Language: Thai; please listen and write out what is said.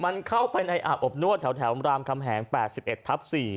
มันเข้าไปในอาบอบนวดแถวรามคำแหง๘๑ทับ๔